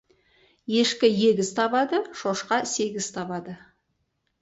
Ешкі егіз табады, шошқа сегіз табады.